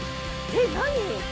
えっ何？